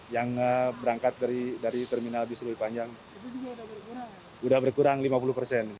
karena berangkat dari terminal bus lebih panjang sudah berkurang lima puluh persen